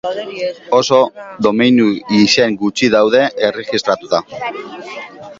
Oso domeinu izen gutxi daude erregistratuta.